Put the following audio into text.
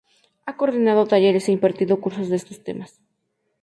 Ha coordinado talleres e impartido cursos de estos temas.